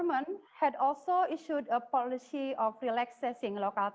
atau sampingan keuntungan total